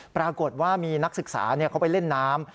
ปรากฏว่ามีนักศึกษาเขาไปเล่นน้ำ